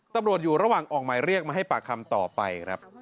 ตำรวจอยู่ระหว่างออกหมายเรียกมาให้ปากคำต่อไปครับ